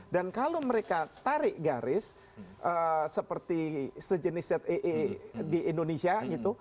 dan kalau mereka tarik garis seperti sejenis zee di indonesia gitu